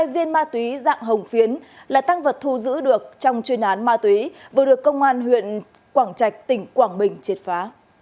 một ba trăm tám mươi hai viên ma túy dạng hồng phiến là tang vật thu giữ được trong chuyên án ma túy vừa được công an huyện quảng trạch tỉnh quảng bình triệt phá